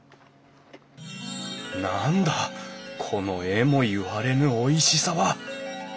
何だこのえもいわれぬおいしさは！